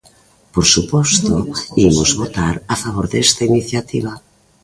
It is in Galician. Por suposto, imos votar a favor desta iniciativa.